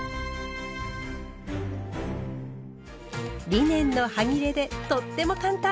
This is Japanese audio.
リネンのはぎれでとっても簡単！